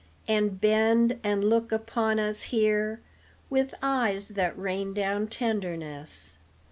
And bend, and look upon us here With eyes that rain down tenderness.